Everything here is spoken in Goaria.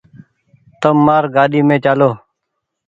تم مآر گآڏي مين چآلو ۔